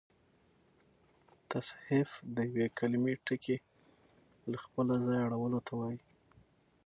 تصحیف د یوې کليمې ټکي له خپله ځایه اړولو ته وا يي.